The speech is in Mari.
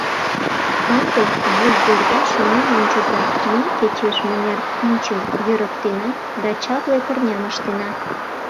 Ынде вуй йырда шонен ончыза, ме кечеш мыняр пӱнчым йӧрыктена да чапле пырням ыштена?